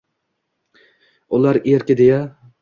Ular erki deya